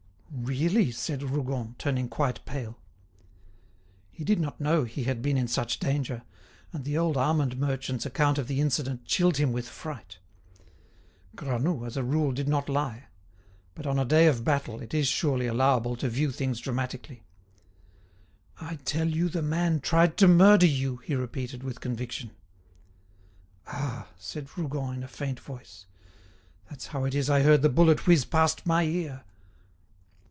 "Really?" said Rougon, turning quite pale. He did not know he had been in such danger, and the old almond merchant's account of the incident chilled him with fright. Granoux, as a rule, did not lie; but, on a day of battle, it is surely allowable to view things dramatically. "I tell you the man tried to murder you," he repeated, with conviction. "Ah," said Rougon in a faint voice, "that's how it is I heard the bullet whiz past my ear!"